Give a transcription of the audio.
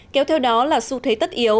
kéo theo đó là xu thế tất yếu